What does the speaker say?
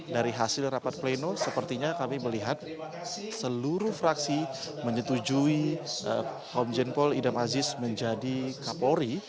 dari hasil rapat pleno sepertinya kami melihat seluruh fraksi menyetujui komjen pol idam aziz menjadi kapolri